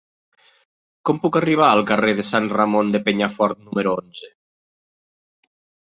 Com puc arribar al carrer de Sant Ramon de Penyafort número onze?